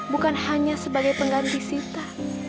bukan hanya sebagai pengganti sita